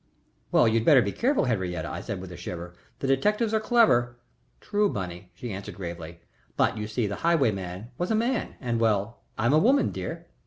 "Well, you'd better be careful, Henriette," I said with a shiver. "The detectives are clever " "True, Bunny," she answered, gravely. "But you see the highwayman was a man and well, I'm a woman, dear.